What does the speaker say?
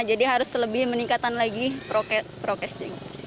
jadi harus lebih meningkatkan lagi prokesting